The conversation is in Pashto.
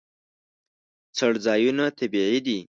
څړځایونه طبیعي دي.